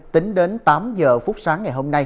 tính đến tám h phút sáng ngày hôm nay